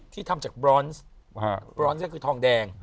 ทำจากบรอนซ์บรอนซ์ก็คือทองแดง